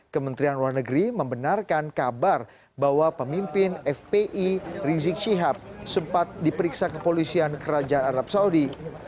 kementerian luar negeri membenarkan kabar bahwa pemimpin fpi rizik syihab sempat diperiksa kepolisian kerajaan arab saudi